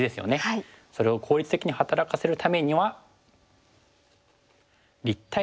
それを効率的に働かせるためには。